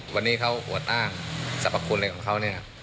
วันนี้เขาอวดอ้างสรรพคุณอะไรของเขาเนี่ย